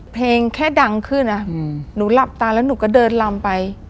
เพลงแค่ดังขึ้นหนูหลับตาแล้วหนูก็เดินลำไป